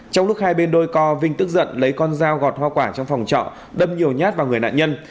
trong lúc hai bên đôi co vinh tức giận lấy con dao gọt hoa quả trong phòng trọ đâm nhiều nhát vào người nạn nhân